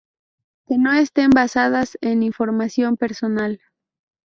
que no estén basadas en información personal